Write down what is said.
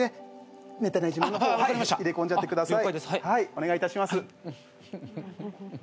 お願いいたします。